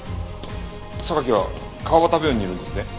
榊は河端病院にいるんですね。